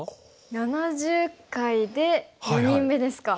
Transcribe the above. ７０回で４人目ですか。